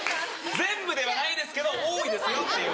全部ではないですけど多いですよっていう。